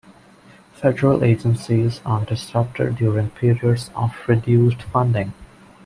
Federal agencies are disrupted during periods of reduced funding.